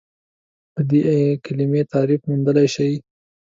د دې کلمې تعریف موندلی شئ؟